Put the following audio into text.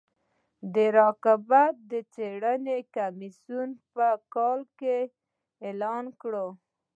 د رقابت د څارنې کمیسیون په کال کې اعلان وکړ.